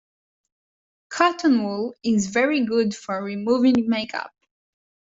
Cotton wool is very good for removing make-up